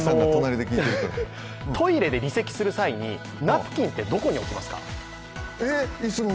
トイレで離席する際に、ナプキンはどこにおきますか？